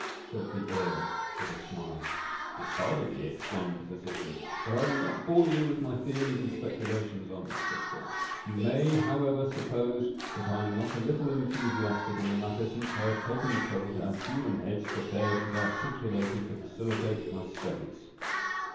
said the Earl with a smile. "Decidedly," exclaimed the physician. "But I will not bore you with my theories and speculations on this subject. You may, however, suppose that I am not a little enthusiastic in the matter, since I have taken the trouble to have human heads prepared and articulated to facilitate my studies."